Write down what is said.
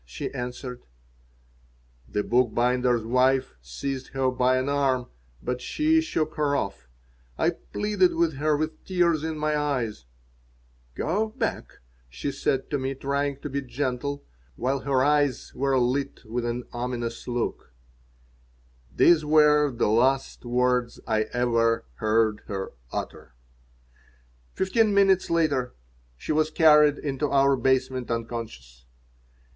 she answered The bookbinder's wife seized her by an arm, but she shook her off. I pleaded with her with tears in my eyes "Go back," she said to me, trying to be gentle while her eyes were lit with an ominous look These were the last words I ever heard her utter Fifteen minutes later she was carried into our basement unconscious.